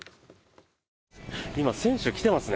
今、選手、来てますね。